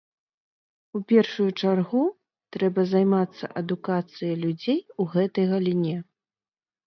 У першую чаргу, трэба займацца адукацыяй людзей у гэтай галіне.